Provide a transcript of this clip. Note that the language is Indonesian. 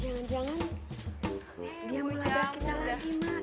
jangan jangan dia meladak kita lagi maaf